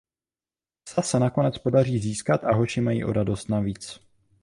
Psa se nakonec podaří získat a hoši mají o radost navíc.